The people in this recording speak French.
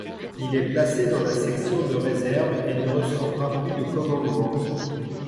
Il est placé dans la section de réserve et ne recevra plus de commandement.